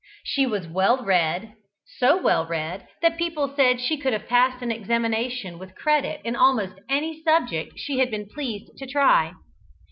She was well read; so well read that people said she could have passed an examination with credit in almost any subject she had been pleased to try.